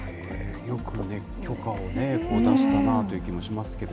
よく許可を出したなという気もしますけど。